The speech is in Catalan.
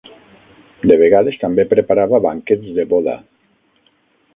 De vegades també preparava banquets de boda.